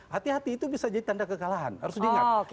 hati hati itu bisa jadi tanda kekalahan harus diingat